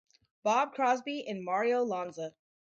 Bob Crosby and Mario Lanza.